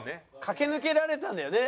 駆け抜けられたんだよね。